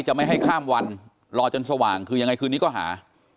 ไม่ให้ข้ามวันรอจนสว่างคือยังไงคืนนี้ก็หา